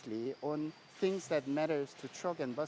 tentang hal yang penting untuk truk dan bus